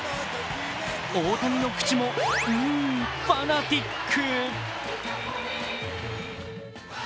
大谷の口もうーん、ファナティック。